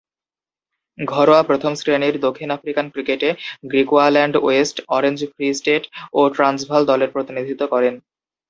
ঘরোয়া প্রথম-শ্রেণীর দক্ষিণ আফ্রিকান ক্রিকেটে Griqualand West, Orange Free State ও ট্রান্সভাল দলের প্রতিনিধিত্ব করেন।